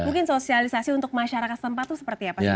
mungkin sosialisasi untuk masyarakat setempat itu seperti apa sih